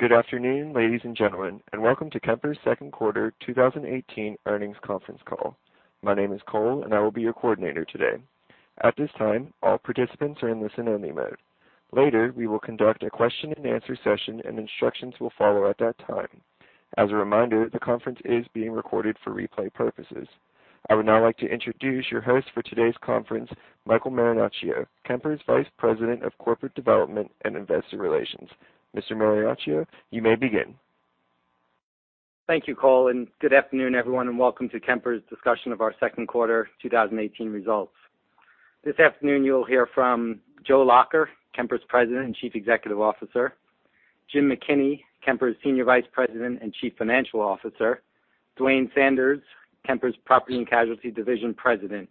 Good afternoon, ladies and gentlemen, welcome to Kemper's second quarter 2018 earnings conference call. My name is Cole, I will be your coordinator today. At this time, all participants are in listen only mode. Later, we will conduct a question and answer session, instructions will follow at that time. As a reminder, the conference is being recorded for replay purposes. I would now like to introduce your host for today's conference, Michael Marinaccio, Kemper's Vice President of Corporate Development and Investor Relations. Mr. Marinaccio, you may begin. Thank you, Cole, good afternoon, everyone, welcome to Kemper's discussion of our second quarter 2018 results. This afternoon, you'll hear from Joe Lacher, Kemper's President and Chief Executive Officer, Jim McKinney, Kemper's Senior Vice President and Chief Financial Officer, Duane Sanders, Kemper's Property and Casualty Division President.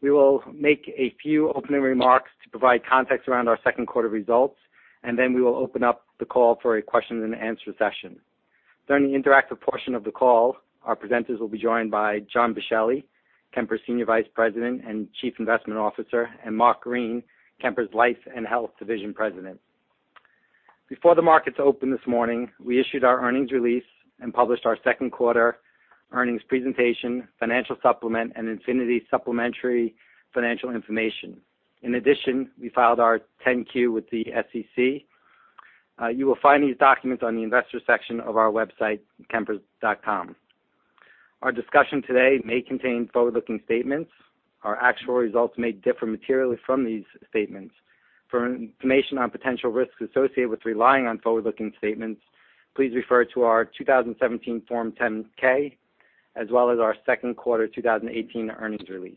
We will make a few opening remarks to provide context around our second quarter results, we will open up the call for a question and answer session. During the interactive portion of the call, our presenters will be joined by John Boschelli, Kemper's Senior Vice President and Chief Investment Officer, Mark Green, Kemper's Life and Health Division President. Before the markets opened this morning, we issued our earnings release and published our second quarter earnings presentation, financial supplement, and Infinity supplementary financial information. In addition, we filed our 10-Q with the SEC. You will find these documents on the investor section of our website, kemper.com. Our discussion today may contain forward-looking statements. Our actual results may differ materially from these statements. For information on potential risks associated with relying on forward-looking statements, please refer to our 2017 Form 10-K, as well as our second quarter 2018 earnings release.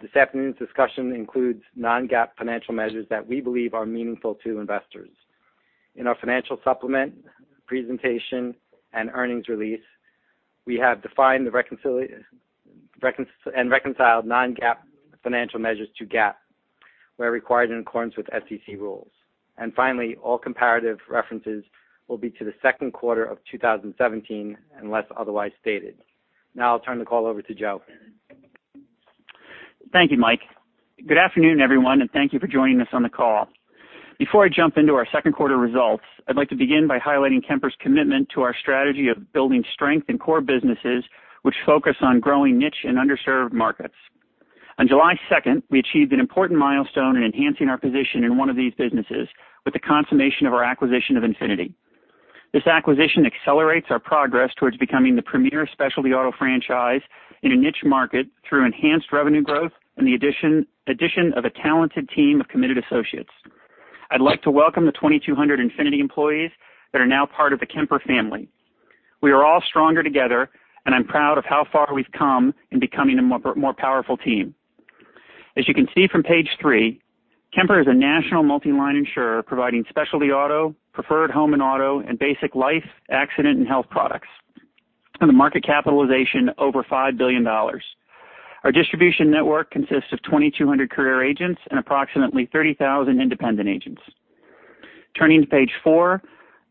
This afternoon's discussion includes non-GAAP financial measures that we believe are meaningful to investors. In our financial supplement presentation and earnings release, we have defined and reconciled non-GAAP financial measures to GAAP, where required in accordance with SEC rules. Finally, all comparative references will be to the second quarter of 2017, unless otherwise stated. Now I'll turn the call over to Joe. Thank you, Mike. Good afternoon, everyone, thank you for joining us on the call. Before I jump into our second quarter results, I'd like to begin by highlighting Kemper's commitment to our strategy of building strength in core businesses which focus on growing niche and underserved markets. On July 2nd, we achieved an important milestone in enhancing our position in one of these businesses with the consummation of our acquisition of Infinity. This acquisition accelerates our progress towards becoming the premier specialty auto franchise in a niche market through enhanced revenue growth and the addition of a talented team of committed associates. I'd like to welcome the 2,200 Infinity employees that are now part of the Kemper family. We are all stronger together, I'm proud of how far we've come in becoming a more powerful team. As you can see from page three, Kemper is a national multi-line insurer providing specialty auto, preferred home and auto, and basic life, accident, and health products, and a market capitalization over $5 billion. Our distribution network consists of 2,200 career agents and approximately 30,000 independent agents. Turning to page four,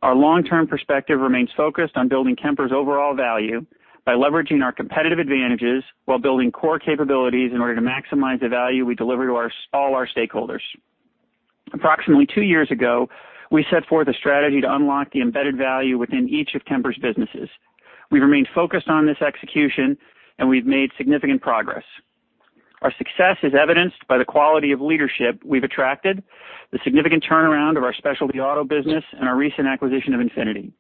our long-term perspective remains focused on building Kemper's overall value by leveraging our competitive advantages while building core capabilities in order to maximize the value we deliver to all our stakeholders. Approximately two years ago, we set forth a strategy to unlock the embedded value within each of Kemper's businesses. We've remained focused on this execution, and we've made significant progress. Our success is evidenced by the quality of leadership we've attracted, the significant turnaround of our specialty auto business, and our recent acquisition of Infinity.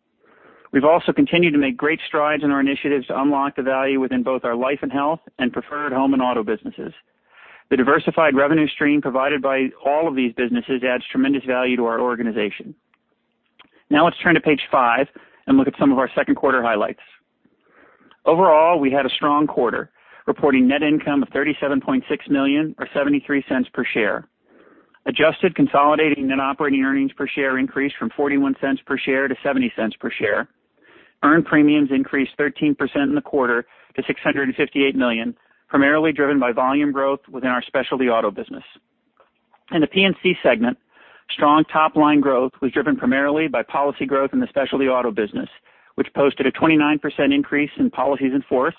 We've also continued to make great strides in our initiatives to unlock the value within both our Life and Health and preferred home and auto businesses. The diversified revenue stream provided by all of these businesses adds tremendous value to our organization. Now let's turn to page five and look at some of our second quarter highlights. Overall, we had a strong quarter, reporting net income of $37.6 million or $0.73 per share. Adjusted consolidating net operating earnings per share increased from $0.41 per share to $0.70 per share. Earned premiums increased 13% in the quarter to $658 million, primarily driven by volume growth within our specialty auto business. In the P&C segment, strong top-line growth was driven primarily by policy growth in the specialty auto business, which posted a 29% increase in policies in force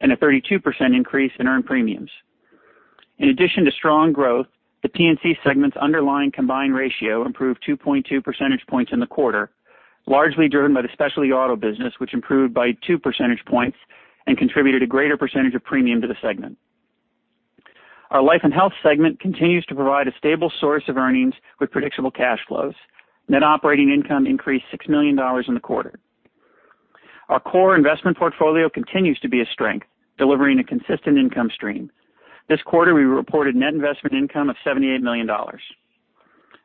and a 32% increase in earned premiums. In addition to strong growth, the P&C segment's underlying combined ratio improved 2.2 percentage points in the quarter, largely driven by the specialty auto business, which improved by two percentage points and contributed a greater percentage of premium to the segment. Our Life and Health segment continues to provide a stable source of earnings with predictable cash flows. Net operating income increased $6 million in the quarter. Our core investment portfolio continues to be a strength, delivering a consistent income stream. This quarter, we reported net investment income of $78 million.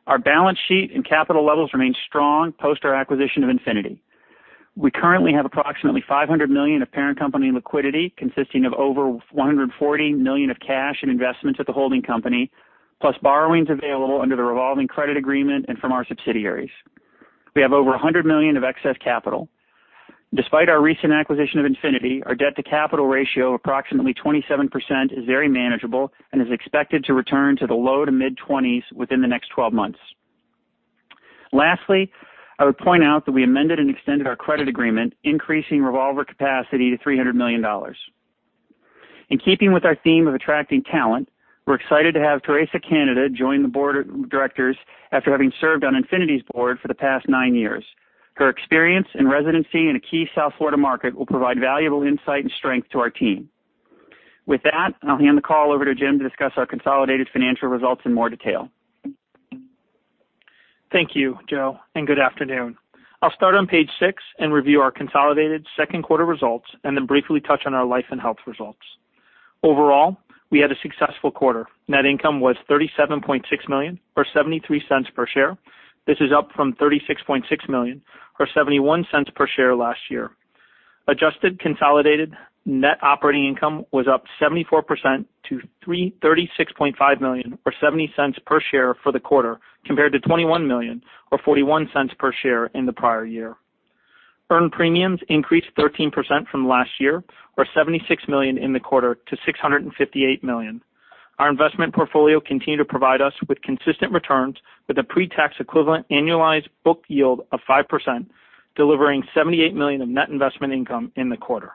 Our balance sheet and capital levels remain strong post our acquisition of Infinity. We currently have approximately $500 million of parent company liquidity, consisting of over $140 million of cash and investments at the holding company, plus borrowings available under the revolving credit agreement and from our subsidiaries. We have over $100 million of excess capital. Despite our recent acquisition of Infinity, our debt-to-capital ratio of approximately 27% is very manageable and is expected to return to the low to mid-20s within the next 12 months. Lastly, I would point out that we amended and extended our credit agreement, increasing revolver capacity to $300 million. In keeping with our theme of attracting talent, we're excited to have Teresa Canida join the board of directors after having served on Infinity's board for the past nine years. Her experience and residency in a key South Florida market will provide valuable insight and strength to our team. With that, I'll hand the call over to Jim to discuss our consolidated financial results in more detail. Thank you, Joe, and good afternoon. I'll start on page six and review our consolidated second quarter results, and then briefly touch on our life and health results. Overall, we had a successful quarter. Net income was $37.6 million or $0.73 per share. This is up from $36.6 million or $0.71 per share last year. Adjusted consolidated net operating income was up 74% to $36.5 million or $0.70 per share for the quarter, compared to $21 million or $0.41 per share in the prior year. Earned premiums increased 13% from last year, or $76 million in the quarter to $658 million. Our investment portfolio continued to provide us with consistent returns with a pre-tax equivalent annualized book yield of 5%, delivering $78 million of net investment income in the quarter.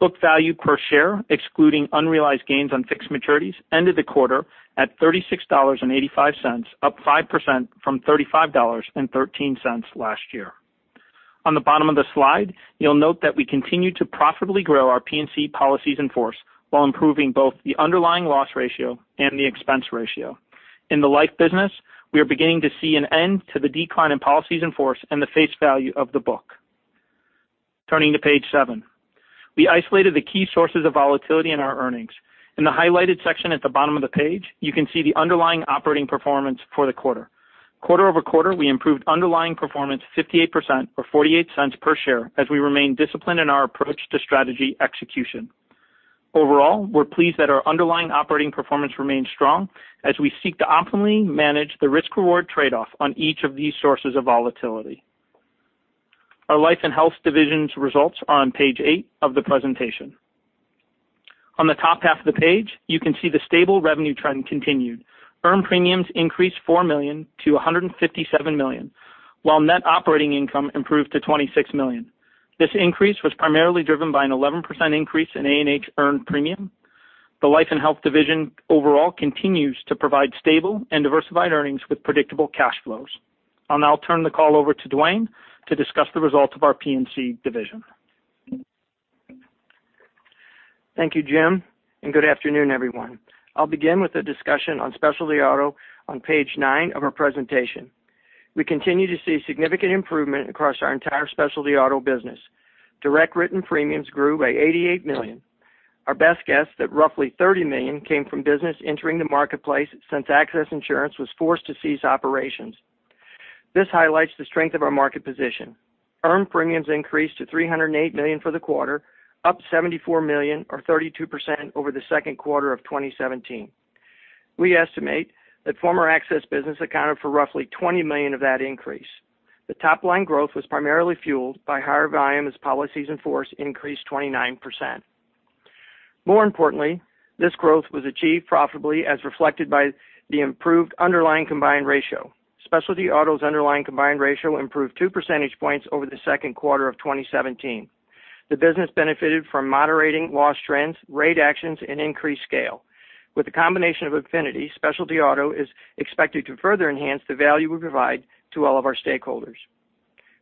Book value per share, excluding unrealized gains on fixed maturities, ended the quarter at $36.85, up 5% from $35.13 last year. On the bottom of the slide, you'll note that we continue to profitably grow our P&C policies in force, while improving both the underlying loss ratio and the expense ratio. In the life business, we are beginning to see an end to the decline in policies in force and the face value of the book. Turning to page seven. We isolated the key sources of volatility in our earnings. In the highlighted section at the bottom of the page, you can see the underlying operating performance for the quarter. Quarter-over-quarter, we improved underlying performance 58% or $0.48 per share, as we remain disciplined in our approach to strategy execution. Overall, we're pleased that our underlying operating performance remains strong as we seek to optimally manage the risk/reward trade-off on each of these sources of volatility. Our life and health divisions results are on page eight of the presentation. On the top half of the page, you can see the stable revenue trend continued. Earned premiums increased $4 million to $157 million, while net operating income improved to $26 million. This increase was primarily driven by an 11% increase in A&H earned premium. The life and health division overall continues to provide stable and diversified earnings with predictable cash flows. I'll now turn the call over to Duane to discuss the results of our P&C division. Thank you, Jim, and good afternoon, everyone. I'll begin with a discussion on specialty auto on page nine of our presentation. We continue to see significant improvement across our entire specialty auto business. Direct written premiums grew by $88 million. Our best guess that roughly $30 million came from business entering the marketplace since Access Insurance was forced to cease operations. This highlights the strength of our market position. Earned premiums increased to $308 million for the quarter, up $74 million or 32% over the second quarter of 2017. We estimate that former Access business accounted for roughly $20 million of that increase. The top-line growth was primarily fueled by higher volume as policies in force increased 29%. More importantly, this growth was achieved profitably as reflected by the improved underlying combined ratio. Specialty Auto's underlying combined ratio improved two percentage points over the second quarter of 2017. The business benefited from moderating loss trends, rate actions, and increased scale. With the combination of Infinity, Specialty Auto is expected to further enhance the value we provide to all of our stakeholders.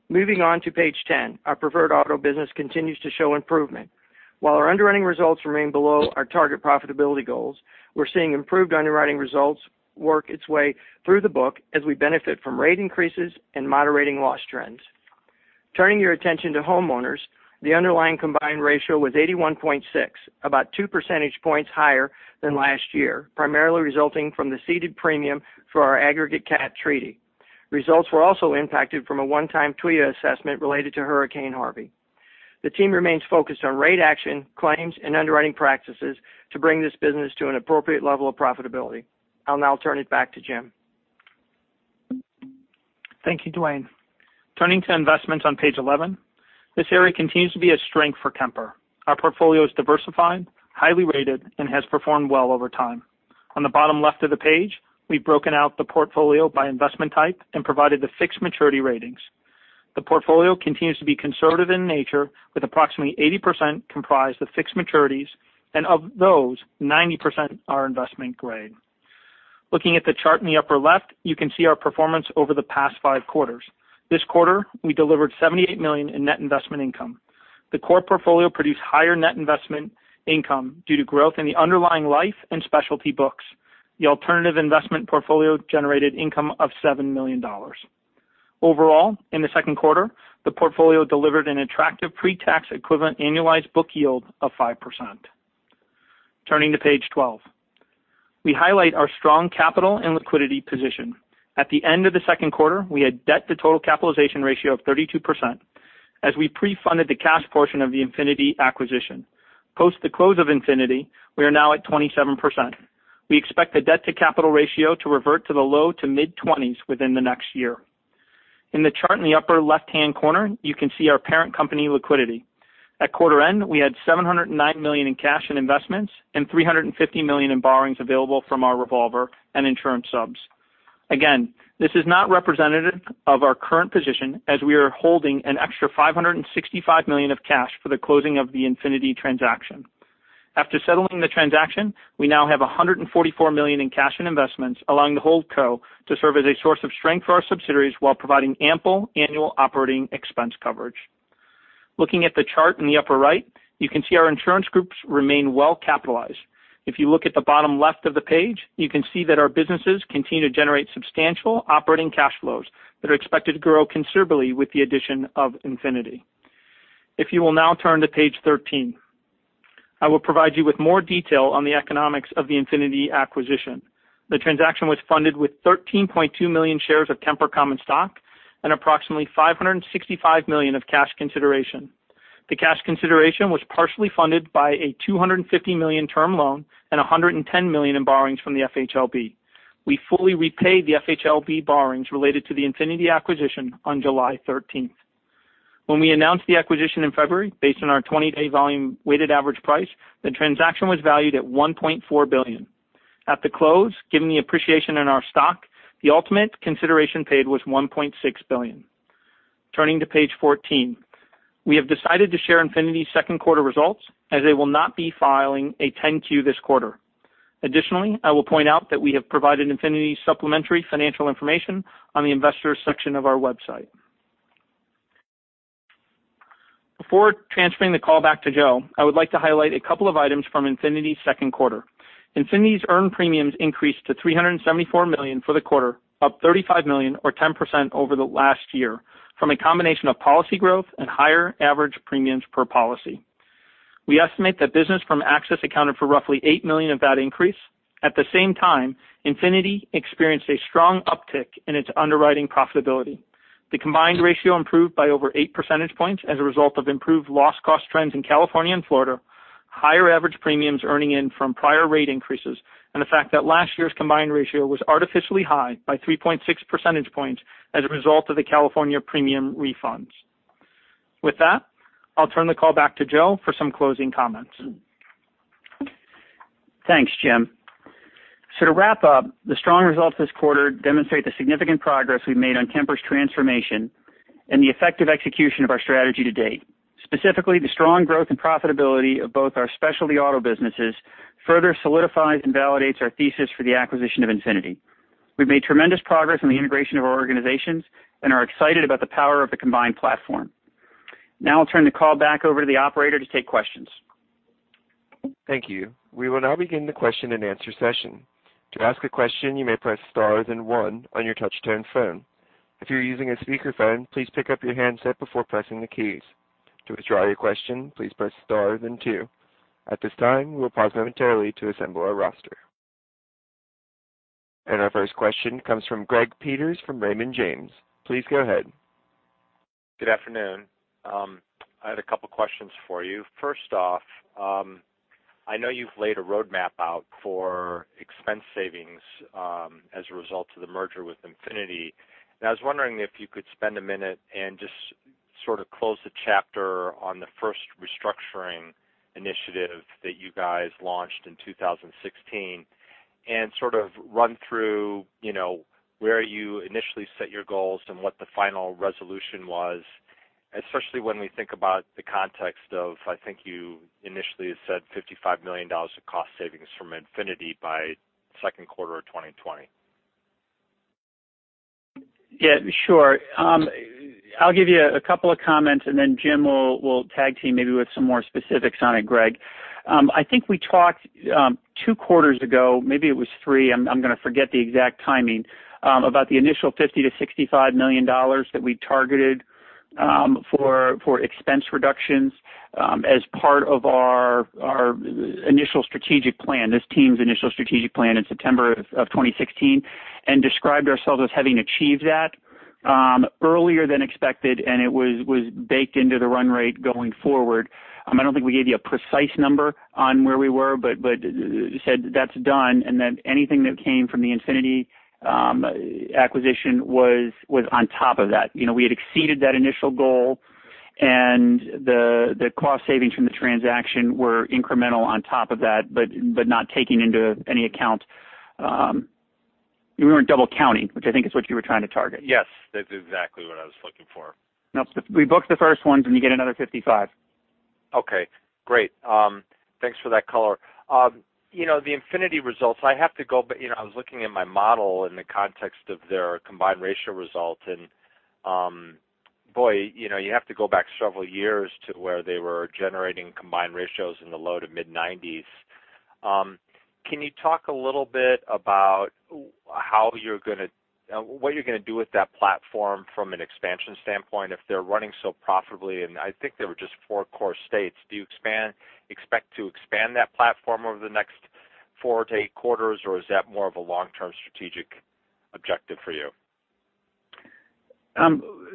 Moving on to page 10. Our Preferred Auto business continues to show improvement. While our underwriting results remain below our target profitability goals, we're seeing improved underwriting results work its way through the book as we benefit from rate increases and moderating loss trends. Turning your attention to Homeowners, the underlying combined ratio was 81.6, about two percentage points higher than last year, primarily resulting from the ceded premium for our aggregate cat treaty. Results were also impacted from a one-time TWIA assessment related to Hurricane Harvey. The team remains focused on rate action, claims, and underwriting practices to bring this business to an appropriate level of profitability. I'll now turn it back to Jim. Thank you, Duane. Turning to investments on page 11. This area continues to be a strength for Kemper. Our portfolio is diversified, highly rated, and has performed well over time. On the bottom left of the page, we've broken out the portfolio by investment type and provided the fixed maturity ratings. The portfolio continues to be conservative in nature, with approximately 80% comprised of fixed maturities, and of those, 90% are investment grade. Looking at the chart in the upper left, you can see our performance over the past five quarters. This quarter, we delivered $78 million in net investment income. The core portfolio produced higher net investment income due to growth in the underlying life and specialty books. The alternative investment portfolio generated income of $7 million. Overall, in the second quarter, the portfolio delivered an attractive pre-tax equivalent annualized book yield of 5%. Turning to page 12. We highlight our strong capital and liquidity position. At the end of the second quarter, we had debt to total capitalization ratio of 32% as we pre-funded the cash portion of the Infinity acquisition. Post the close of Infinity, we are now at 27%. We expect the debt to capital ratio to revert to the low to mid-20s within the next year. In the chart in the upper left-hand corner, you can see our parent company liquidity. At quarter end, we had $709 million in cash and investments and $350 million in borrowings available from our revolver and insurance subs. Again, this is not representative of our current position, as we are holding an extra $565 million of cash for the closing of the Infinity transaction. After settling the transaction, we now have $144 million in cash and investments, allowing the holdco to serve as a source of strength for our subsidiaries while providing ample annual operating expense coverage. Looking at the chart in the upper right, you can see our insurance groups remain well capitalized. If you look at the bottom left of the page, you can see that our businesses continue to generate substantial operating cash flows that are expected to grow considerably with the addition of Infinity. If you will now turn to page 13, I will provide you with more detail on the economics of the Infinity acquisition. The transaction was funded with 13.2 million shares of Kemper common stock and approximately $565 million of cash consideration. The cash consideration was partially funded by a $250 million term loan and $110 million in borrowings from the FHLB. We fully repaid the FHLB borrowings related to the Infinity acquisition on July 13th. When we announced the acquisition in February, based on our 20-day volume weighted average price, the transaction was valued at $1.4 billion. At the close, given the appreciation in our stock, the ultimate consideration paid was $1.6 billion. Turning to page 14. We have decided to share Infinity's second quarter results as they will not be filing a 10-Q this quarter. Additionally, I will point out that we have provided Infinity's supplementary financial information on the investors section of our kemper.com website. Before transferring the call back to Joe, I would like to highlight a couple of items from Infinity's second quarter. Infinity's earned premiums increased to $374 million for the quarter, up $35 million or 10% over the last year from a combination of policy growth and higher average premiums per policy. We estimate that business from Access accounted for roughly $8 million of that increase. At the same time, Infinity experienced a strong uptick in its underwriting profitability. The combined ratio improved by over 8 percentage points as a result of improved loss cost trends in California and Florida, higher average premiums earning in from prior rate increases, and the fact that last year's combined ratio was artificially high by 3.6 percentage points as a result of the California premium refunds. With that, I'll turn the call back to Joe for some closing comments. Thanks, Jim. To wrap up, the strong results this quarter demonstrate the significant progress we've made on Kemper's transformation and the effective execution of our strategy to date. Specifically, the strong growth and profitability of both our specialty auto businesses further solidifies and validates our thesis for the acquisition of Infinity. We've made tremendous progress in the integration of our organizations and are excited about the power of the combined platform. I'll turn the call back over to the operator to take questions. Thank you. We will now begin the question and answer session. To ask a question, you may press star then one on your touch-tone phone. If you are using a speakerphone, please pick up your handset before pressing the keys. To withdraw your question, please press star then two. At this time, we will pause momentarily to assemble our roster. Our first question comes from Gregory Peters from Raymond James. Please go ahead. Good afternoon. I had a couple questions for you. First off, I know you've laid a roadmap out for expense savings as a result of the merger with Infinity, and I was wondering if you could spend a minute and just sort of close the chapter on the first restructuring initiative that you guys launched in 2016 and sort of run through where you initially set your goals and what the final resolution was, especially when we think about the context of, I think you initially said $55 million of cost savings from Infinity by second quarter of 2020. Yeah, sure. I'll give you a couple of comments and then Jim will tag team maybe with some more specifics on it, Greg. I think we talked two quarters ago, maybe it was three, I'm going to forget the exact timing, about the initial $50 to $65 million that we targeted for expense reductions as part of our initial strategic plan, this team's initial strategic plan in September of 2016, and described ourselves as having achieved that earlier than expected, and it was baked into the run rate going forward. I don't think we gave you a precise number on where we were, but said that's done, and then anything that came from the Infinity acquisition was on top of that. We had exceeded that initial goal, and the cost savings from the transaction were incremental on top of that, but not taking into any account. We weren't double counting, which I think is what you were trying to target. Yes, that's exactly what I was looking for. We booked the first ones, and you get another 55. Okay, great. Thanks for that color. The Infinity results, I was looking at my model in the context of their combined ratio results and boy, you have to go back several years to where they were generating combined ratios in the low to mid 90s. Can you talk a little bit about what you're going to do with that platform from an expansion standpoint, if they're running so profitably, I think there were just four core states. Do you expect to expand that platform over the next four to eight quarters, or is that more of a long-term strategic objective for you?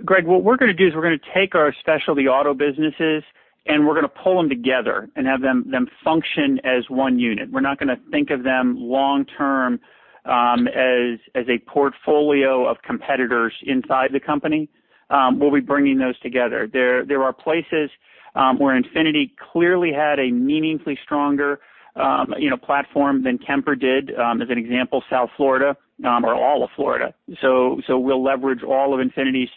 Greg, what we're going to do is we're going to take our specialty auto businesses and we're going to pull them together and have them function as one unit. We're not going to think of them long term as a portfolio of competitors inside the company. We'll be bringing those together. There are places where Infinity clearly had a meaningfully stronger platform than Kemper did. As an example, South Florida, or all of Florida. We'll leverage all of Infinity's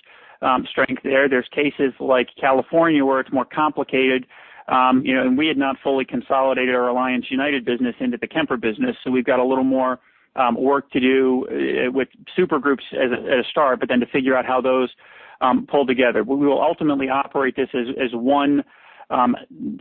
strength there. There's cases like California, where it's more complicated. We had not fully consolidated our Alliance United business into the Kemper business. We've got a little more work to do with super groups as a start, to figure out how those pull together. We will ultimately operate this as one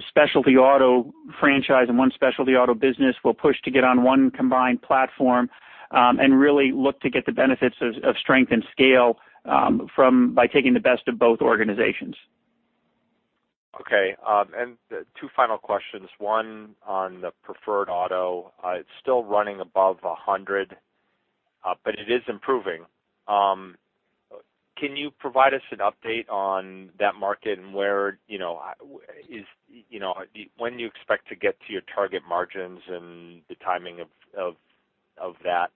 specialty auto franchise and one specialty auto business. We'll push to get on one combined platform. Really look to get the benefits of strength and scale by taking the best of both organizations. Okay. Two final questions. One on the Preferred Auto. It's still running above 100, but it is improving. Can you provide us an update on that market and when do you expect to get to your target margins and the timing of that?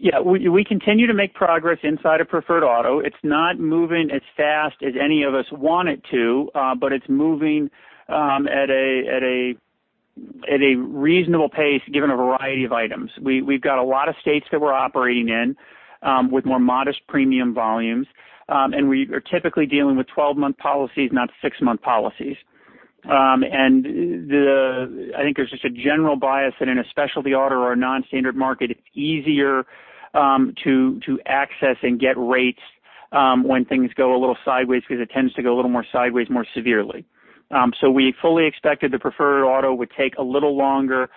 Yeah. We continue to make progress inside of Preferred Auto. It's not moving as fast as any of us want it to, but it's moving at a reasonable pace given a variety of items. We've got a lot of states that we're operating in with more modest premium volumes. I think there's just a general bias in a specialty auto or a non-standard market, it's easier to access and get rates when things go a little sideways because it tends to go a little more sideways, more severely. We fully expected the Preferred Auto would take a little longer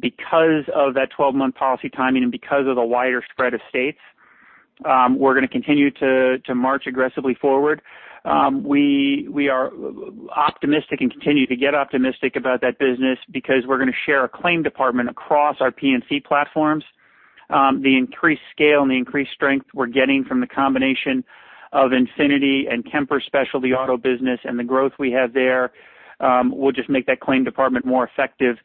because of that 12-month policy timing and because of the wider spread of states. We're going to continue to march aggressively forward. We are optimistic and continue to get optimistic about that business because we're going to share a claim department across our P&C platforms. The increased scale and the increased strength we're getting from the combination of Infinity and Kemper specialty auto business and the growth we have there, will just make that claim department more effective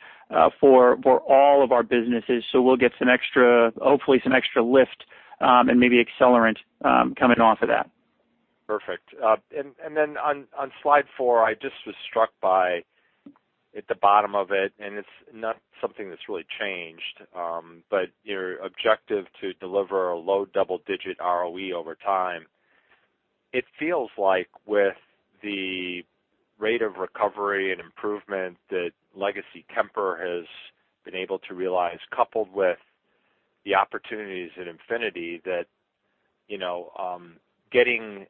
for all of our businesses. We'll get, hopefully, some extra lift, and maybe accelerant, coming off of that. Perfect. On slide four, I just was struck by at the bottom of it. It's not something that's really changed, your objective to deliver a low double-digit ROE over time. It feels like with the rate of recovery and improvement that legacy Kemper has been able to realize, coupled with the opportunities at Infinity, that getting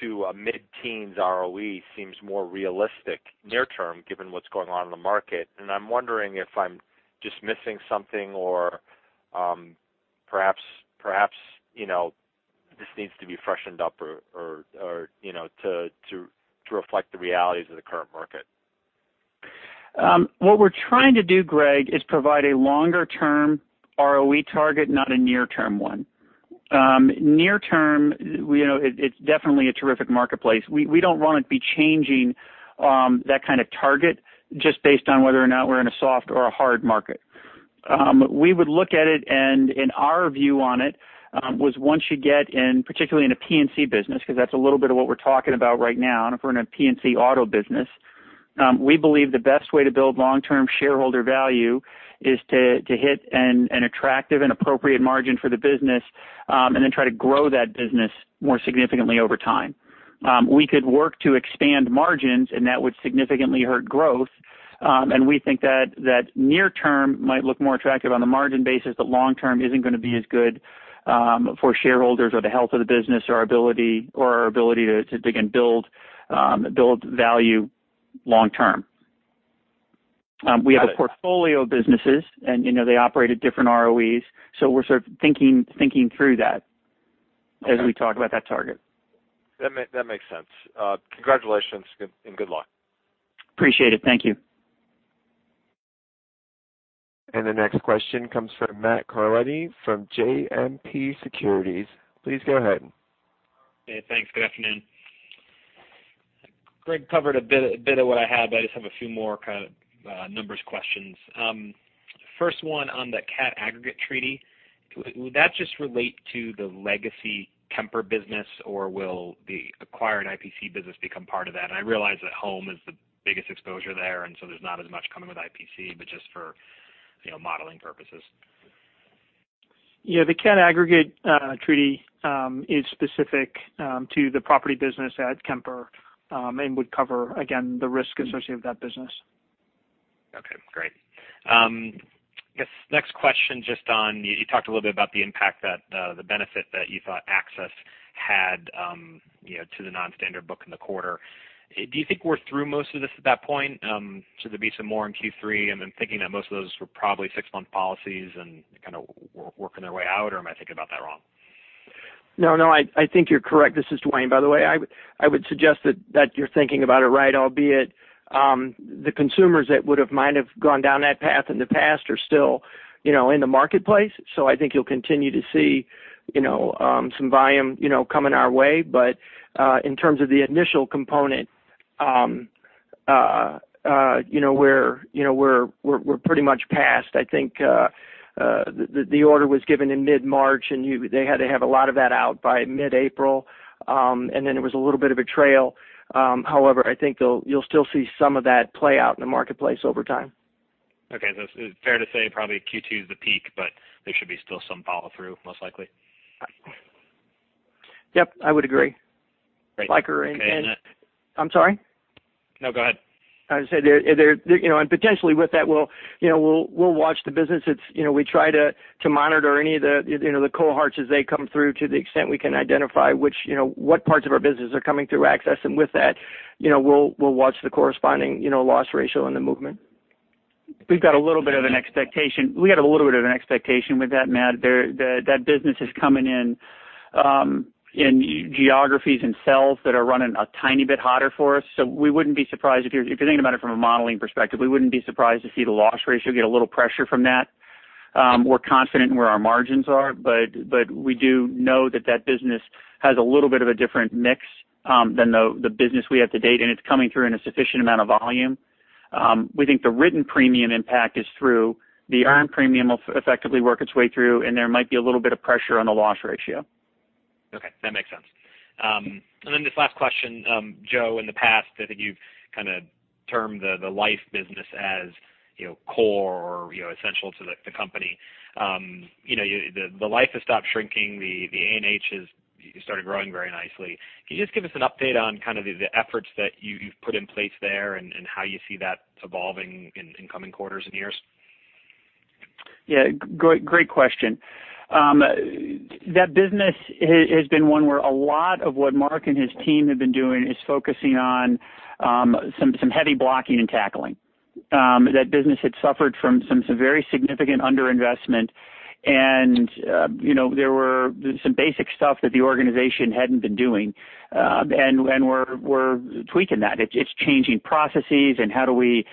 to a mid-teens ROE seems more realistic near term, given what's going on in the market. I'm wondering if I'm just missing something or perhaps this needs to be freshened up to reflect the realities of the current market. What we're trying to do, Greg, is provide a longer-term ROE target, not a near-term one. Near term, it's definitely a terrific marketplace. We don't want to be changing that kind of target just based on whether or not we're in a soft or a hard market. We would look at it, and our view on it was once you get in, particularly in a P&C business, because that's a little bit of what we're talking about right now. If we're in a P&C auto business, we believe the best way to build long-term shareholder value is to hit an attractive and appropriate margin for the business, and then try to grow that business more significantly over time. We could work to expand margins, that would significantly hurt growth. We think that near term might look more attractive on the margin basis, but long term isn't going to be as good for shareholders or the health of the business or our ability to, again, build value long term. Got it. We have a portfolio of businesses, and they operate at different ROEs. We're sort of thinking through that as we talk about that target. That makes sense. Congratulations and good luck. Appreciate it. Thank you. The next question comes from Matthew Carletti from JMP Securities. Please go ahead. Hey, thanks. Good afternoon. Greg covered a bit of what I have. I just have a few more kind of numbers questions. First one on the cat aggregate treaty. Would that just relate to the legacy Kemper business, or will the acquired IPC business become part of that? I realize that home is the biggest exposure there, and so there's not as much coming with IPC, but just for modeling purposes. Yeah. The aggregate cat treaty is specific to the property business at Kemper, and would cover, again, the risk associated with that business. Okay, great. I guess next question, you talked a little bit about the impact that the benefit that you thought Access had to the non-standard book in the quarter. Do you think we're through most of this at that point? Should there be some more in Q3? Thinking that most of those were probably six-month policies and kind of working their way out, or am I thinking about that wrong? No, I think you're correct. This is Duane, by the way. I would suggest that you're thinking about it right, albeit the consumers that might have gone down that path in the past are still in the marketplace. I think you'll continue to see some volume coming our way. In terms of the initial component we're pretty much past. I think the order was given in mid-March, and they had to have a lot of that out by mid-April. It was a little bit of a trail. However, I think you'll still see some of that play out in the marketplace over time. Okay. It's fair to say probably Q2's the peak, there should be still some follow through, most likely? Yep, I would agree. Great. And- Okay. I'm sorry? No, go ahead. I was going to say, potentially with that, we'll watch the business. We try to monitor any of the cohorts as they come through to the extent we can identify what parts of our business are coming through Access. With that, we'll watch the corresponding loss ratio and the movement. We've got a little bit of an expectation with that, Matt. That business is coming in geographies and cells that are running a tiny bit hotter for us. We wouldn't be surprised if you're thinking about it from a modeling perspective, we wouldn't be surprised to see the loss ratio get a little pressure from that. We're confident in where our margins are, we do know that that business has a little bit of a different mix than the business we have to date, and it's coming through in a sufficient amount of volume. We think the written premium impact is through. The earned premium will effectively work its way through, and there might be a little bit of pressure on the loss ratio. Okay, that makes sense. This last question, Joe, in the past, I think you've kind of termed the life business as core or essential to the company. The life has stopped shrinking. The A&H has started growing very nicely. Can you just give us an update on kind of the efforts that you've put in place there and how you see that evolving in coming quarters and years? Yeah, great question. That business has been one where a lot of what Mark and his team have been doing is focusing on some heavy blocking and tackling. That business had suffered from some very significant under-investment and there were some basic stuff that the organization hadn't been doing. We're tweaking that. It's changing processes and how do we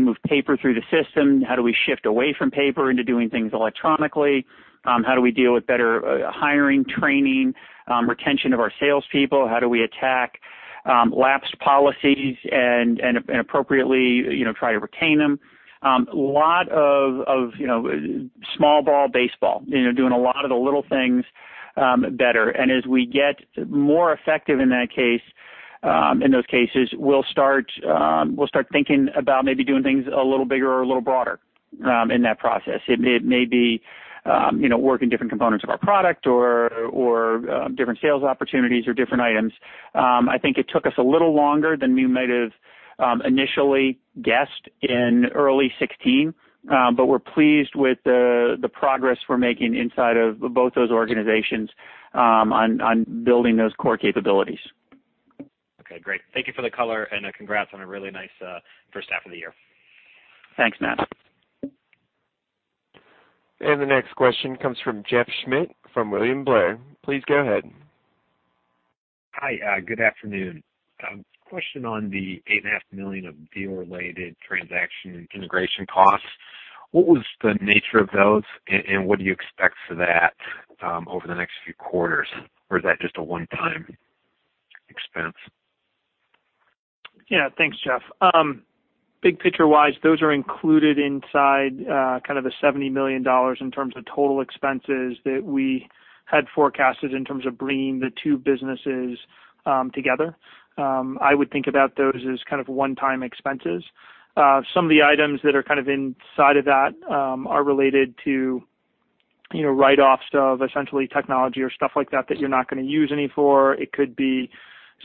move paper through the system? How do we shift away from paper into doing things electronically? How do we deal with better hiring, training, retention of our salespeople? How do we attack lapsed policies and appropriately try to retain them? Lot of small ball baseball, doing a lot of the little things better. As we get more effective in those cases, we'll start thinking about maybe doing things a little bigger or a little broader in that process. It may be working different components of our product or different sales opportunities or different items. I think it took us a little longer than we might have initially guessed in early 2016. We're pleased with the progress we're making inside of both those organizations on building those core capabilities. Okay, great. Thank you for the color, congrats on a really nice first half of the year. Thanks, Matt. The next question comes from Jeff Schmitt from William Blair. Please go ahead. Hi. Good afternoon. Question on the $8.5 million of deal-related transaction integration costs. What was the nature of those, and what do you expect for that over the next few quarters? Or is that just a one-time expense? Yeah. Thanks, Jeff. Big picture-wise, those are included inside kind of the $70 million in terms of total expenses that we had forecasted in terms of bringing the two businesses together. I would think about those as kind of one-time expenses. Some of the items that are kind of inside of that are related to write-offs of essentially technology or stuff like that you're not going to use any for. It could be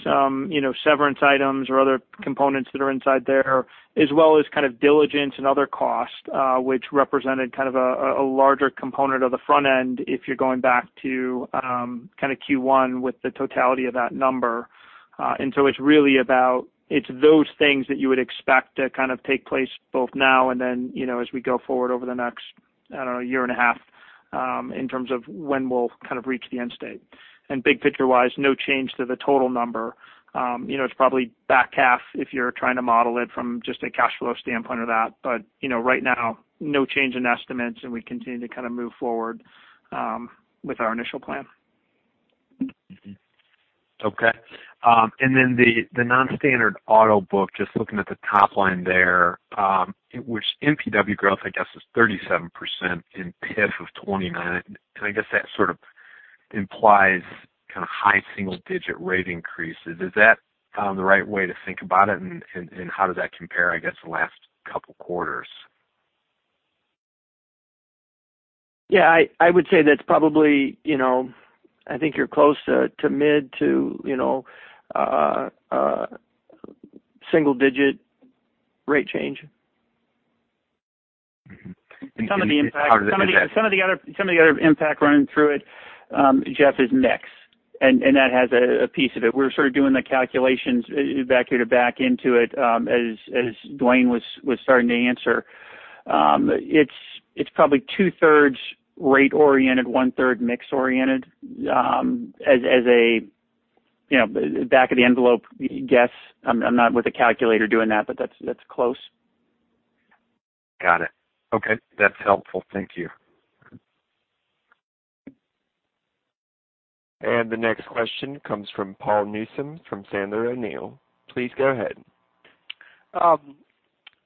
some severance items or other components that are inside there, as well as kind of diligence and other costs, which represented kind of a larger component of the front end if you're going back to kind of Q1 with the totality of that number. It's really about, it's those things that you would expect to kind of take place both now and then as we go forward over the next, I don't know, year and a half, in terms of when we'll kind of reach the end state. Big picture-wise, no change to the total number. It's probably back half if you're trying to model it from just a cash flow standpoint of that. Right now, no change in estimates, and we continue to kind of move forward with our initial plan. Okay. The non-standard auto book, just looking at the top line there, which DWP growth, I guess, is 37% in PIF of 29. I guess that sort of implies kind of high single-digit rate increases. Is that the right way to think about it? How does that compare, I guess, the last couple quarters? Yeah, I would say that's probably, I think you're close to mid to single digit rate change. Mm-hmm. How does the impact- Some of the other impact running through it, Jeff, is mix. That has a piece of it. We're sort of doing the calculations back here to back into it, as Duane was starting to answer. It's probably two-thirds rate oriented, one-third mix oriented. As a back of the envelope guess, I'm not with a calculator doing that, but that's close. Got it. Okay. That's helpful. Thank you. The next question comes from Paul Newsome from Sandler O'Neill. Please go ahead. I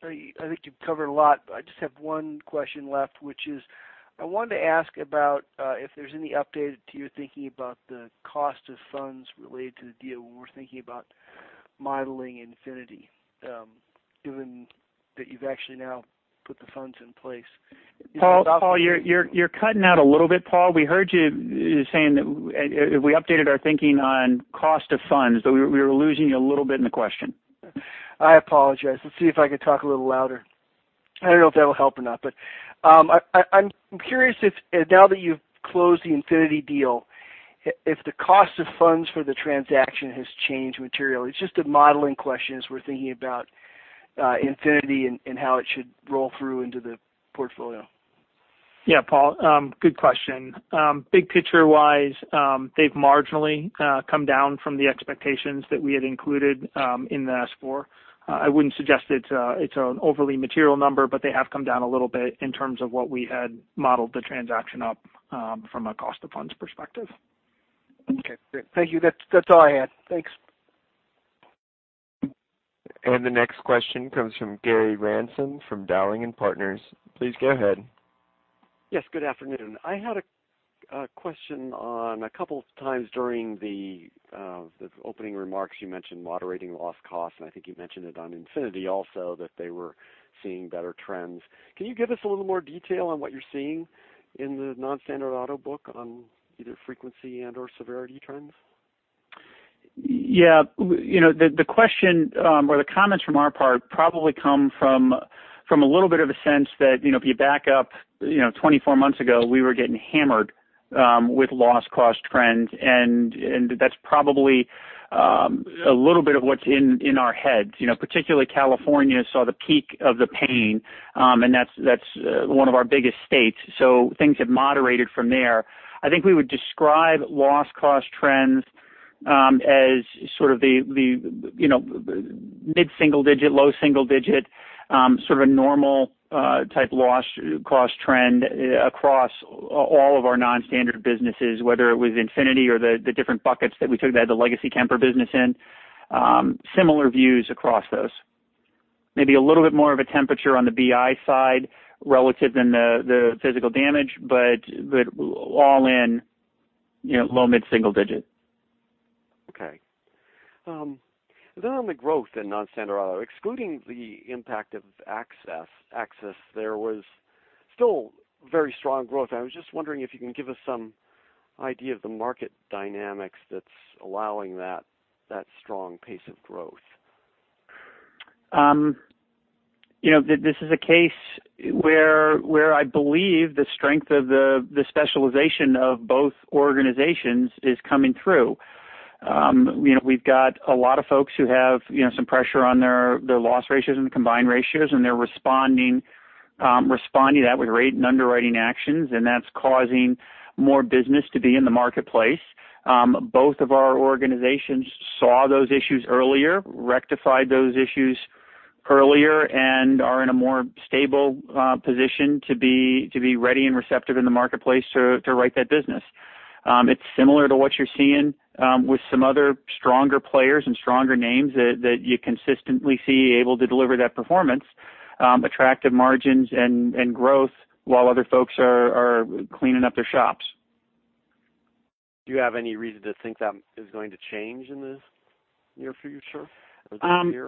think you've covered a lot, but I just have one question left, which is, I wanted to ask about if there's any update to your thinking about the cost of funds related to the deal when we're thinking about modeling Infinity, given that you've actually now put the funds in place. Paul, you're cutting out a little bit. Paul, we heard you saying that we updated our thinking on cost of funds. We were losing you a little bit in the question. I apologize. Let's see if I can talk a little louder. I don't know if that'll help or not. I'm curious if now that you've closed the Infinity deal, if the cost of funds for the transaction has changed materially. It's just a modeling question as we're thinking about Infinity and how it should roll through into the portfolio. Yeah. Paul, good question. Big picture-wise, they've marginally come down from the expectations that we had included in the S4. I wouldn't suggest it's an overly material number, but they have come down a little bit in terms of what we had modeled the transaction up from a cost of funds perspective. Okay. Great. Thank you. That's all I had. Thanks. The next question comes from Gary Ransom from Dowling & Partners. Please go ahead. Yes, good afternoon. I had a question on a couple of times during the opening remarks, you mentioned moderating loss cost, and I think you mentioned it on Infinity also, that they were seeing better trends. Can you give us a little more detail on what you're seeing in the non-standard auto book on either frequency and/or severity trends? Yeah. The question, or the comments from our part probably come from a little bit of a sense that if you back up 24 months ago, we were getting hammered with loss cost trends, and that's probably a little bit of what's in our heads. Particularly California saw the peak of the pain, and that's one of our biggest states. Things have moderated from there. I think we would describe loss cost trends as sort of the mid-single digit, low single digit, sort of a normal type loss cost trend across all of our non-standard businesses, whether it was Infinity or the different buckets that we took that the legacy Kemper business in. Similar views across those. Maybe a little bit more of a temperature on the BI side relative than the physical damage, but all in low mid-single digit. Okay. On the growth in non-standard auto, excluding the impact of Access, there was still very strong growth. I was just wondering if you can give us some idea of the market dynamics that's allowing that strong pace of growth. This is a case where I believe the strength of the specialization of both organizations is coming through. We've got a lot of folks who have some pressure on their loss ratios and combined ratios, and they're responding to that with rate and underwriting actions, and that's causing more business to be in the marketplace. Both of our organizations saw those issues earlier, rectified those issues earlier, and are in a more stable position to be ready and receptive in the marketplace to write that business. It's similar to what you're seeing with some other stronger players and stronger names that you consistently see able to deliver that performance, attractive margins and growth while other folks are cleaning up their shops. Do you have any reason to think that is going to change in the near future? Or is it here?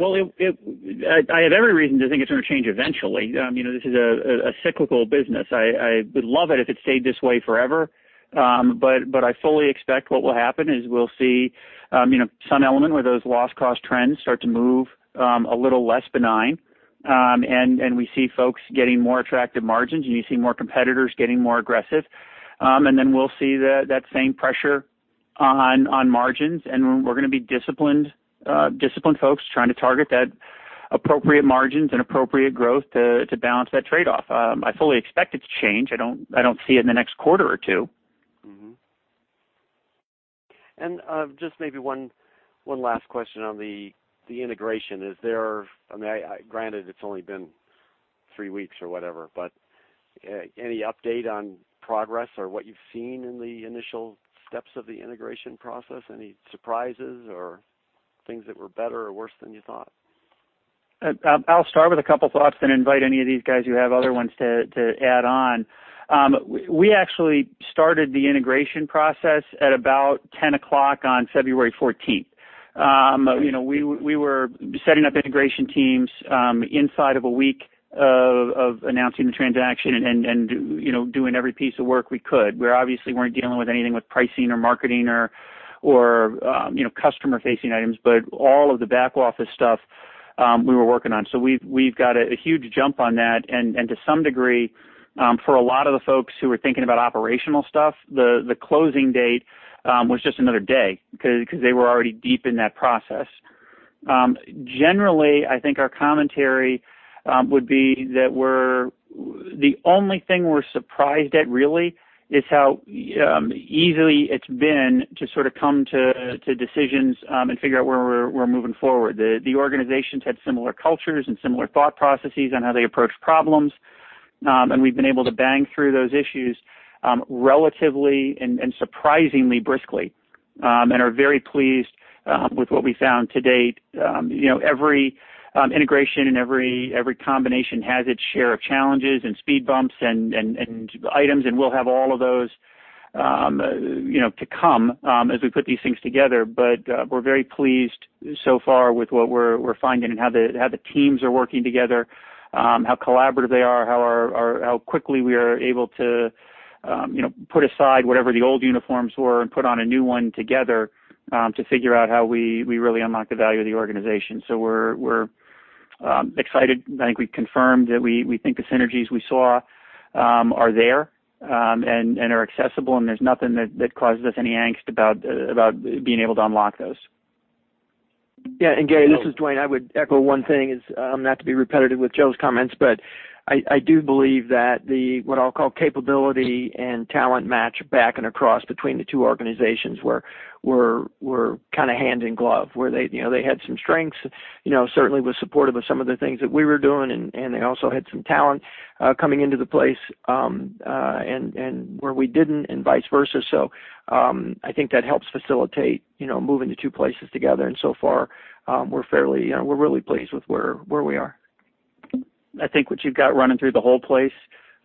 I fully expect what will happen is we'll see some element where those loss cost trends start to move a little less benign. We see folks getting more attractive margins, and you see more competitors getting more aggressive. We'll see that same pressure on margins, and we're going to be disciplined folks trying to target that appropriate margins and appropriate growth to balance that trade-off. I fully expect it to change. I don't see it in the next quarter or two. Just maybe one last question on the integration. Granted, it's only been three weeks or whatever. Any update on progress or what you've seen in the initial steps of the integration process? Any surprises or things that were better or worse than you thought? I'll start with a couple thoughts and invite any of these guys who have other ones to add on. We actually started the integration process at about 10:00 on February 14th. We were setting up integration teams inside of a week of announcing the transaction and doing every piece of work we could. We obviously weren't dealing with anything with pricing or marketing or customer-facing items. All of the back office stuff we were working on. We've got a huge jump on that, and to some degree, for a lot of the folks who were thinking about operational stuff, the closing date was just another day because they were already deep in that process. Generally, I think our commentary would be that the only thing we're surprised at really is how easily it's been to sort of come to decisions and figure out where we're moving forward. The organizations had similar cultures and similar thought processes on how they approach problems. We've been able to bang through those issues relatively and surprisingly briskly, and are very pleased with what we found to date. Every integration and every combination has its share of challenges and speed bumps and items, and we'll have all of those to come as we put these things together. We're very pleased so far with what we're finding and how the teams are working together, how collaborative they are, how quickly we are able to put aside whatever the old uniforms were and put on a new one together to figure out how we really unlock the value of the organization. We're excited. I think we've confirmed that we think the synergies we saw are there and are accessible, and there's nothing that causes us any angst about being able to unlock those. Yeah. Gary, this is Duane. I would echo one thing is, not to be repetitive with Joe's comments, but I do believe that the, what I'll call capability and talent match back and across between the two organizations were kind of hand in glove, where they had some strengths, certainly was supportive of some of the things that we were doing, and they also had some talent coming into the place, where we didn't, and vice versa. I think that helps facilitate moving the two places together, and so far, we're really pleased with where we are. I think what you've got running through the whole place,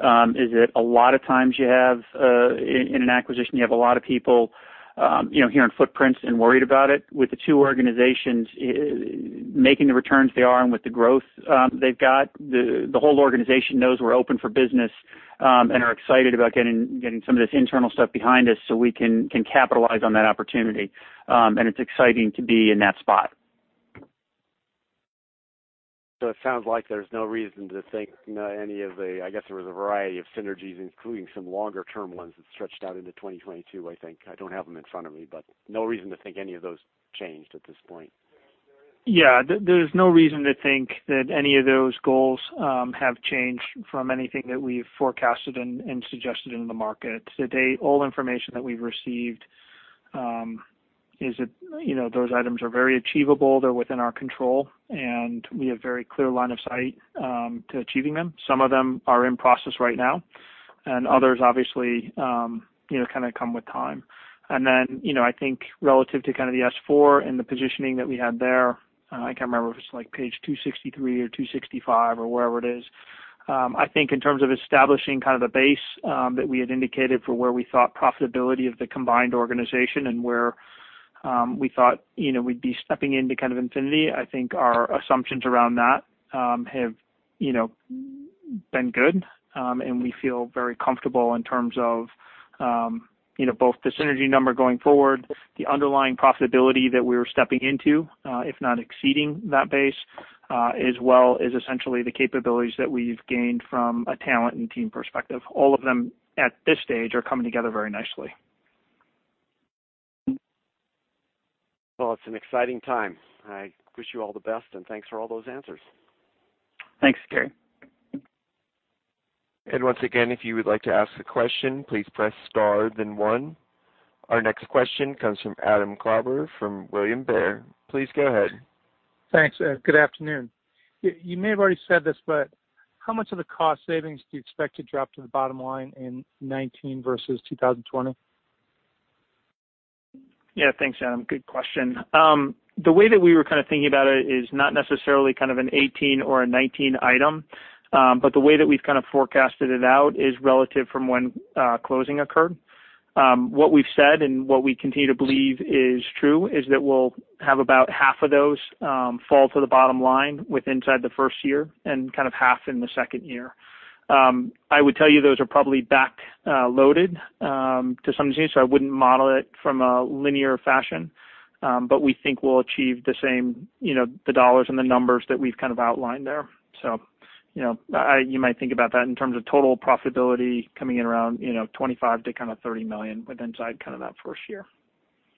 is that a lot of times you have, in an acquisition, you have a lot of people hearing footprints and worried about it. With the two organizations making the returns they are and with the growth they've got, the whole organization knows we're open for business, and are excited about getting some of this internal stuff behind us so we can capitalize on that opportunity. It's exciting to be in that spot. It sounds like there's no reason to think any of the, I guess there was a variety of synergies, including some longer term ones that stretched out into 2022, I think. I don't have them in front of me, but no reason to think any of those changed at this point. Yeah. There's no reason to think that any of those goals have changed from anything that we've forecasted and suggested in the market. To date, all information that we've received is that those items are very achievable. They're within our control, and we have very clear line of sight to achieving them. Some of them are in process right now, and others obviously come with time. Then, I think relative to the S4 and the positioning that we had there, I can't remember if it's page 263 or 265 or wherever it is. I think in terms of establishing a base that we had indicated for where we thought profitability of the combined organization and where we thought we'd be stepping into kind of infinity, I think our assumptions around that have been good. We feel very comfortable in terms of both the synergy number going forward, the underlying profitability that we were stepping into, if not exceeding that base, as well as essentially the capabilities that we've gained from a talent and team perspective. All of them at this stage are coming together very nicely. Well, it's an exciting time. I wish you all the best, thanks for all those answers. Thanks, Gary. Once again, if you would like to ask a question, please press star then one. Our next question comes from Adam Klauber from William Blair. Please go ahead. Thanks. Good afternoon. You may have already said this, how much of the cost savings do you expect to drop to the bottom line in 2019 versus 2020? Yeah. Thanks, Adam. Good question. The way that we were kind of thinking about it is not necessarily an 2018 or a 2019 item. The way that we've kind of forecasted it out is relative from when closing occurred. What we've said and what we continue to believe is true is that we'll have about half of those fall to the bottom line with inside the first year, and kind of half in the second year. I would tell you those are probably back-loaded to some degree, so I wouldn't model it from a linear fashion. We think we'll achieve the same dollars and the numbers that we've outlined there. You might think about that in terms of total profitability coming in around $25 million to kind of $30 million with inside kind of that first year.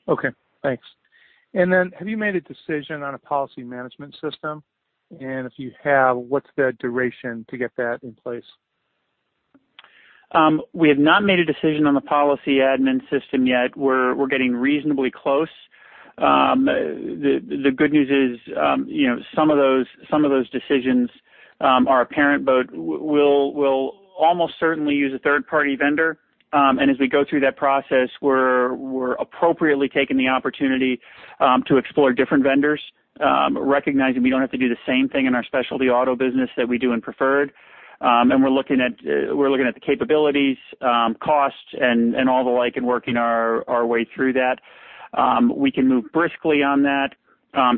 Okay, thanks. Have you made a decision on a policy admin system? If you have, what's the duration to get that in place? We have not made a decision on the policy admin system yet. We're getting reasonably close. The good news is, some of those decisions are apparent, but we'll almost certainly use a third-party vendor. As we go through that process, we're appropriately taking the opportunity to explore different vendors, recognizing we don't have to do the same thing in our specialty auto business that we do in preferred. We're looking at the capabilities, costs, and all the like, and working our way through that. We can move briskly on that.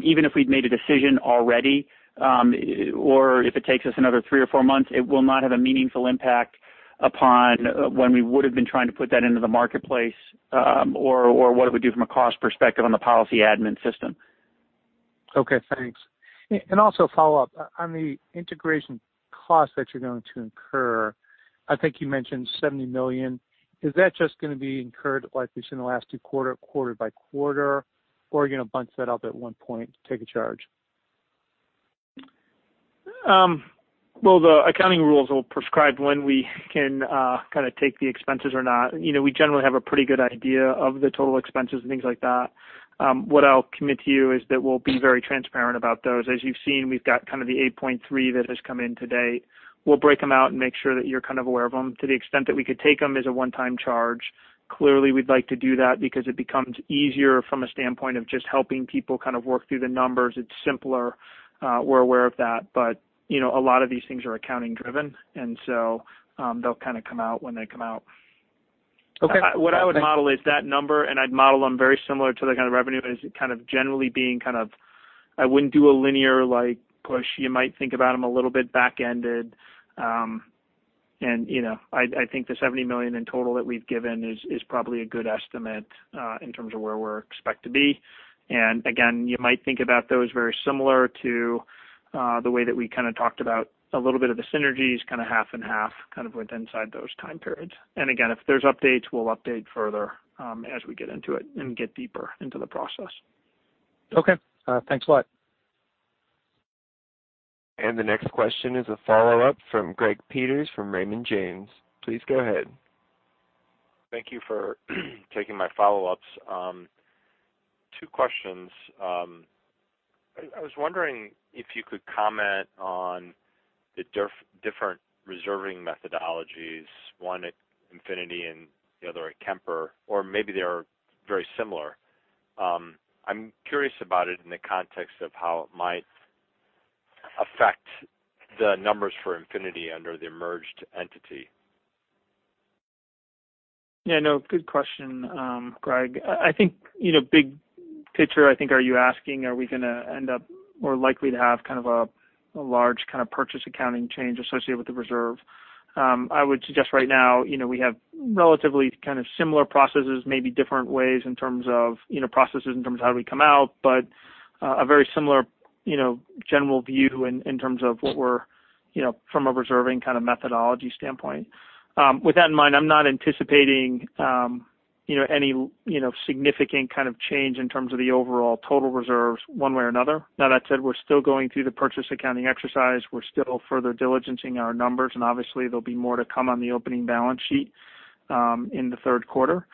Even if we'd made a decision already, or if it takes us another three or four months, it will not have a meaningful impact upon when we would've been trying to put that into the marketplace, or what it would do from a cost perspective on the policy admin system. Okay, thanks. Also follow up. On the integration costs that you're going to incur, I think you mentioned $70 million. Is that just going to be incurred, like we've seen in the last two quarters, quarter by quarter? Are you going to bunch that up at one point to take a charge? The accounting rules will prescribe when we can take the expenses or not. We generally have a pretty good idea of the total expenses and things like that. What I'll commit to you is that we'll be very transparent about those. As you've seen, we've got the 8.3 that has come in today. We'll break them out and make sure that you're aware of them to the extent that we could take them as a one-time charge. Clearly, we'd like to do that because it becomes easier from a standpoint of just helping people work through the numbers. It's simpler. We're aware of that. A lot of these things are accounting driven, they'll come out when they come out. Okay. What I would model is that number. I'd model them very similar to the kind of revenue as it kind of generally being. I wouldn't do a linear push. You might think about them a little bit back-ended. I think the $70 million in total that we've given is probably a good estimate in terms of where we're expected to be. Again, you might think about those very similar to the way that we talked about a little bit of the synergies, half and half, went inside those time periods. Again, if there's updates, we'll update further as we get into it and get deeper into the process. Okay. Thanks a lot. The next question is a follow-up from Gregory Peters from Raymond James. Please go ahead. Thank you for taking my follow-ups. Two questions. I was wondering if you could comment on the different reserving methodologies, one at Infinity and the other at Kemper, or maybe they are very similar. I'm curious about it in the context of how it might affect the numbers for Infinity under the merged entity. Good question, Greg. I think big picture, are you asking, are we going to end up more likely to have a large kind of purchase accounting change associated with the reserve? I would suggest right now, we have relatively similar processes, maybe different ways in terms of processes, in terms of how we come out. A very similar general view in terms of what we're from a reserving kind of methodology standpoint. With that in mind, I'm not anticipating any significant kind of change in terms of the overall total reserves one way or another. That said, we're still going through the purchase accounting exercise. We're still further diligencing our numbers, and obviously, there'll be more to come on the opening balance sheet in the third quarter.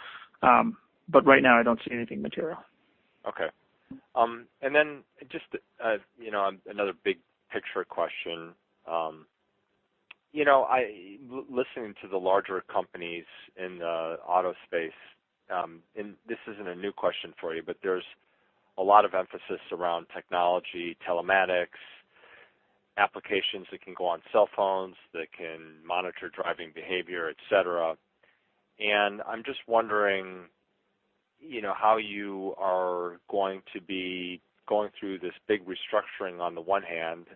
Right now, I don't see anything material. Okay. Just another big picture question. Listening to the larger companies in the auto space, this isn't a new question for you, there's a lot of emphasis around technology, telematics, applications that can go on cell phones, that can monitor driving behavior, et cetera. I'm just wondering how you are going to be going through this big restructuring on the one hand,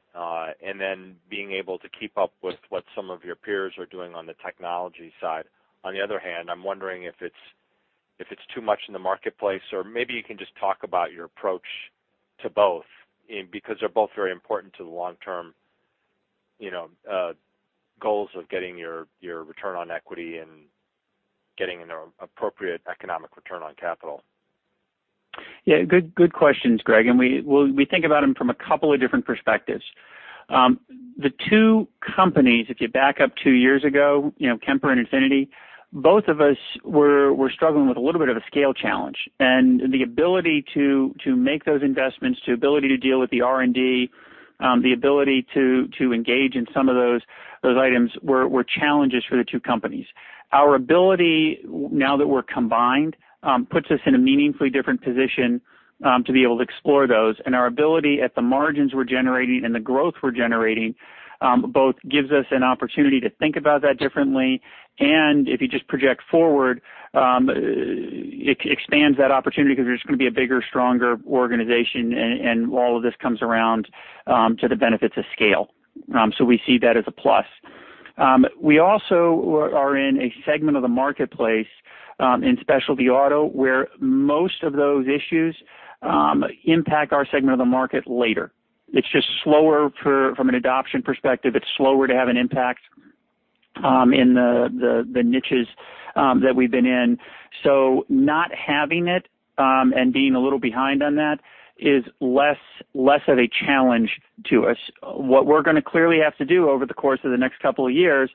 then being able to keep up with what some of your peers are doing on the technology side. On the other hand, I'm wondering if it's too much in the marketplace, or maybe you can just talk about your approach to both, because they're both very important to the long-term goals of getting your return on equity and getting an appropriate economic return on capital. Good questions, Greg. We think about them from a couple of different perspectives. The two companies, if you back up two years ago, Kemper and Infinity, both of us were struggling with a little bit of a scale challenge. The ability to make those investments, the ability to deal with the R&D, the ability to engage in some of those items were challenges for the two companies. Our ability, now that we're combined, puts us in a meaningfully different position to be able to explore those. Our ability at the margins we're generating and the growth we're generating both gives us an opportunity to think about that differently. If you just project forward, it expands that opportunity because there's going to be a bigger, stronger organization, and all of this comes around to the benefits of scale. We see that as a plus. We also are in a segment of the marketplace in specialty auto where most of those issues impact our segment of the market later. It's just slower from an adoption perspective. It's slower to have an impact in the niches that we've been in. Not having it and being a little behind on that is less of a challenge to us. What we're going to clearly have to do over the course of the next couple of years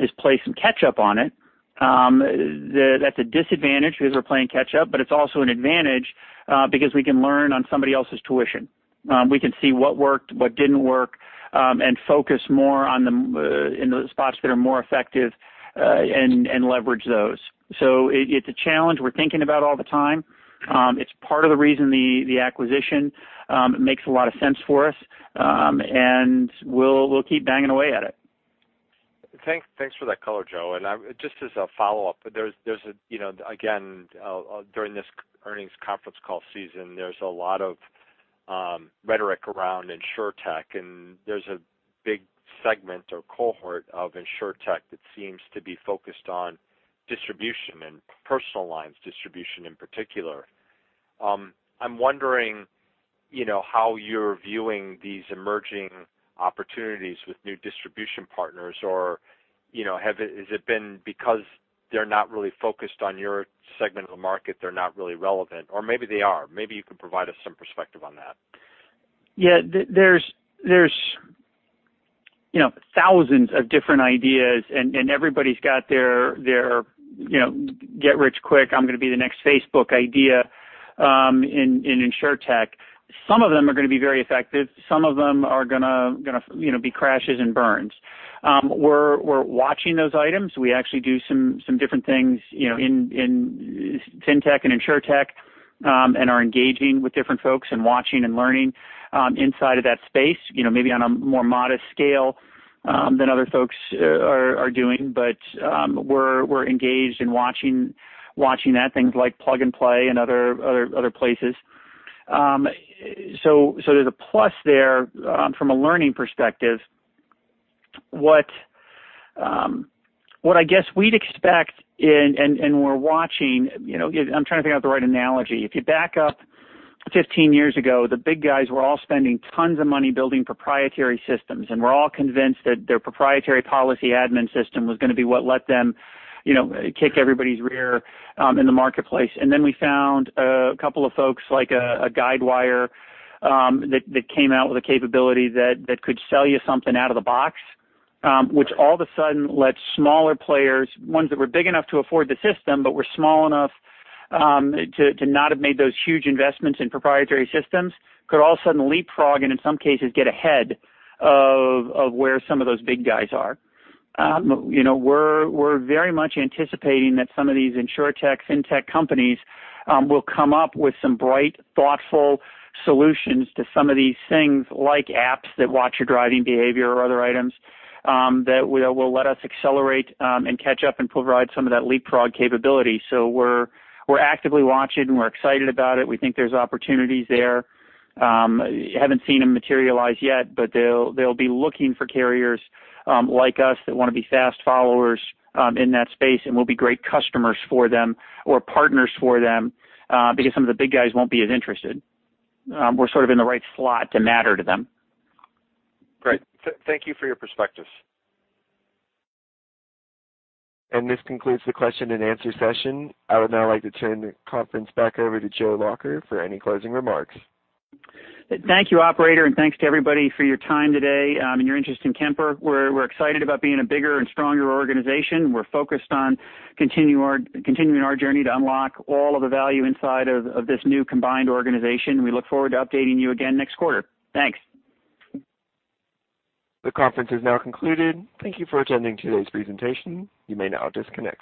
is play some catch up on it. That's a disadvantage because we're playing catch up, it's also an advantage because we can learn on somebody else's tuition. We can see what worked, what didn't work, and focus more in the spots that are more effective and leverage those. It's a challenge we're thinking about all the time. It's part of the reason the acquisition makes a lot of sense for us, and we'll keep banging away at it. Thanks for that color, Joe. Just as a follow-up, again, during this earnings conference call season, there's a lot of rhetoric around Insurtech, and there's a big segment or cohort of Insurtech that seems to be focused on distribution and personal lines distribution in particular. I'm wondering how you're viewing these emerging opportunities with new distribution partners or has it been because they're not really focused on your segment of the market, they're not really relevant? Maybe they are. Maybe you could provide us some perspective on that. Yeah. There's thousands of different ideas, and everybody's got their get-rich-quick, I'm-going-to-be-the-next-Facebook idea in Insurtech. Some of them are going to be very effective. Some of them are going to be crashes and burns. We're watching those items. We actually do some different things in FinTech and Insurtech, and are engaging with different folks and watching and learning inside of that space. Maybe on a more modest scale than other folks are doing, but we're engaged and watching that. Things like Plug and Play and other places. There's a plus there from a learning perspective. What I guess we'd expect, and we're watching. I'm trying to think of the right analogy. If you back up 15 years ago, the big guys were all spending tons of money building proprietary systems, and were all convinced that their proprietary policy admin system was going to be what let them kick everybody's rear in the marketplace. Then we found a couple of folks, like a Guidewire, that came out with a capability that could sell you something out of the box. Which all of a sudden let smaller players, ones that were big enough to afford the system but were small enough to not have made those huge investments in proprietary systems, could all of a sudden leapfrog and in some cases, get ahead of where some of those big guys are. We're very much anticipating that some of these Insurtech, FinTech companies will come up with some bright, thoughtful solutions to some of these things, like apps that watch your driving behavior or other items, that will let us accelerate and catch up and provide some of that leapfrog capability. We're actively watching. We're excited about it. We think there's opportunities there. Haven't seen them materialize yet, but they'll be looking for carriers like us that want to be fast followers in that space and will be great customers for them or partners for them, because some of the big guys won't be as interested. We're sort of in the right slot to matter to them. Great. Thank you for your perspective. This concludes the question and answer session. I would now like to turn the conference back over to Joe Lacher for any closing remarks. Thank you, operator, and thanks to everybody for your time today and your interest in Kemper. We're excited about being a bigger and stronger organization. We're focused on continuing our journey to unlock all of the value inside of this new combined organization. We look forward to updating you again next quarter. Thanks. The conference is now concluded. Thank you for attending today's presentation. You may now disconnect.